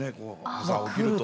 朝起きると。